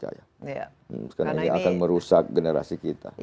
karena ini akan merusak generasi kita